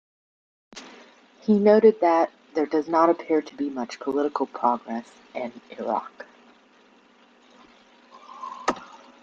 He noted that, "there does not appear to be much political progress" in Iraq.